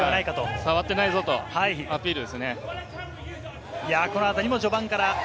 触ってないぞとアピールですね。